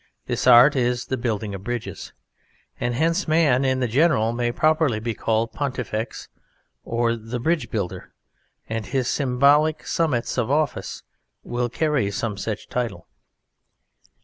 This art is the building of bridges. And hence man in the general may properly be called Pontifex, or "The Bridge Builder"; and his symbolic summits of office will carry some such title.